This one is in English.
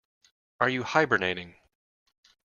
Are you hibernating?